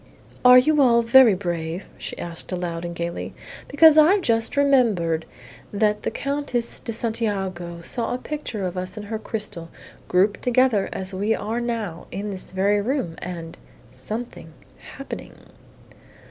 "Are you all very brave?" she asked aloud and gaily. "Because I've just remembered that the Countess de Santiago saw a picture of us in her crystal, grouped together as we are now, in this very room, and something happening."